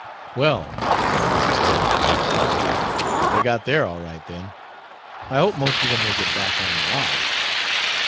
"Well," said Mrs. Phillips to herself, "they got there all right, then. I hope most of them will get back home alive!"